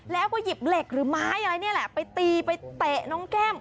แล้วก็หยิบเหล็กหรือไม้อะไรนี่แหละไปตีไปเตะน้องแก้ม